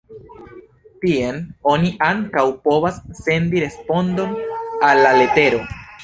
Tien oni ankaŭ povas sendi respondon al la letero.